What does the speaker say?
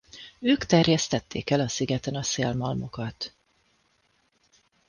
Ők terjesztették el a szigeten a szélmalmokat.